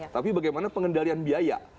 tapi bagaimana pengendalian biaya